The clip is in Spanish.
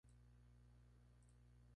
Se destacó como acuarelista.